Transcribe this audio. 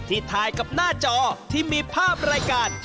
ถ่ายกับหน้าจอที่มีภาพรายการ